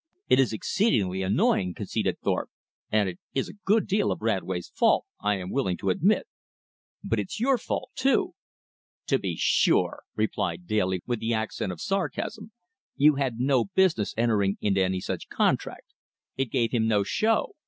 "It is exceedingly annoying," conceded Thorpe, "and it is a good deal of Radway's fault, I am willing to admit, but it's your fault too." "To be sure," replied Daly with the accent of sarcasm. "You had no business entering into any such contract. It gave him no show."